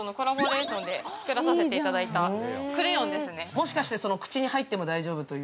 もしかして口に入っても大丈夫という？